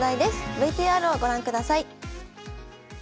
ＶＴＲをご覧ください。